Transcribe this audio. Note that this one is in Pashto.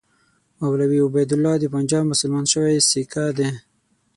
مولوي عبیدالله د پنجاب مسلمان شوی سیکه دی.